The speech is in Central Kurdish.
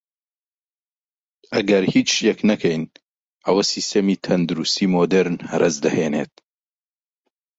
ئەگەر هیچ شتێک نەکەین ئەوە سیستەمی تەندروستی مودێرن هەرەس دەهێنێت